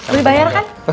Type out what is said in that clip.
lu dibayar kan